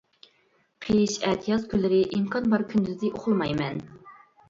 قىش، ئەتىياز كۈنلىرى ئىمكان بار كۈندۈزى ئۇخلىمايمەن.